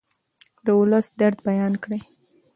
د ولس درد بیان کړئ.